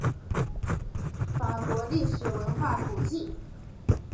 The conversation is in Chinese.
该城堡被法国文化部列为法国历史古迹。